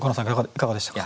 いかがでしたか？